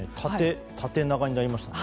縦長になりましたね。